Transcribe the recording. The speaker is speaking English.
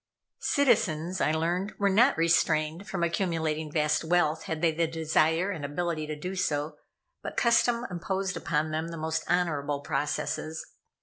Citizens, I learned, were not restrained from accumulating vast wealth had they the desire and ability to do so, but custom imposed upon them the most honorable processes.